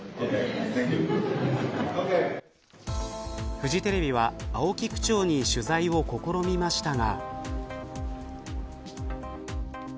フジテレビは青木区長に取材を試みましたが。